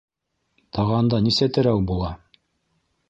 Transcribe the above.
- Тағанда нисә терәү була?